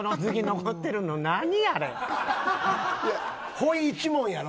ほい一門やろ。